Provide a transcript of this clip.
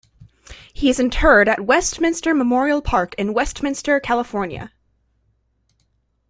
He is interred at Westminster Memorial Park in Westminster, California.